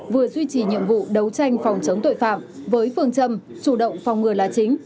vừa duy trì nhiệm vụ đấu tranh phòng chống tội phạm với phương châm chủ động phòng ngừa là chính